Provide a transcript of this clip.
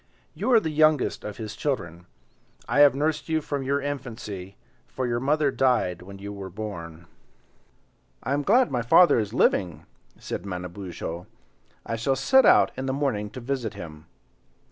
You are the youngest of his children. I have nursed you from your infancy, for your mother died when you were born." "I am glad my father is living," said Manabozho, "I shall set out in the morning to visit him."